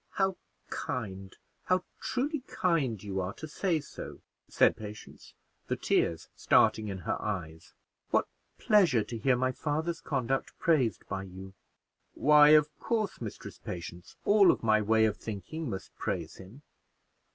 "How kind, how truly kind you are to say so!" said Patience, the tears starting in her eyes; "what pleasure to hear my father's conduct praised by you!" "Why, of course, Mistress Patience, all of my way of thinking must praise him.